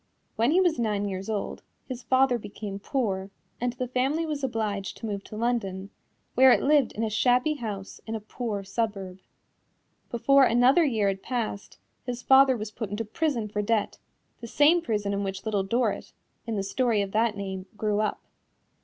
When he was nine years old, his father became poor and the family was obliged to move to London, where it lived in a shabby house in a poor suburb. Before another year had passed, his father was put into prison for debt the same prison in which Little Dorrit, in the story of that name, grew up.